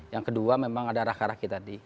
yang kedua memang ada raka raki tadi